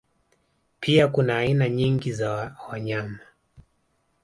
Pia kuna aina nyingi za wanyama